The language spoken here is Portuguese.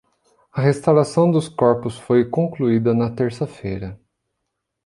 A restauração dos corpos foi concluída na terça-feira.